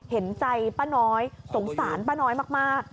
เห็นใจป้าน้อยสงสารป้าน้อยมาก